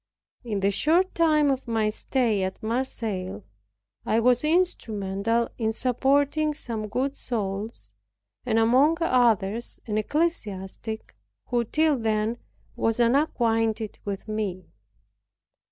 In the short time of my stay at Marseilles, I was instrumental in supporting some good souls, and among others an ecclesiastic, who till then was unacquainted with me.